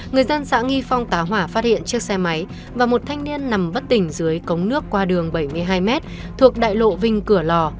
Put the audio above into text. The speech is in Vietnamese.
người dân xã nghi phong tá hỏa phát hiện chiếc xe máy và một thanh niên nằm bất tỉnh dưới cống nước qua đường bảy mươi hai mét thuộc đại lộ vinh cửa lò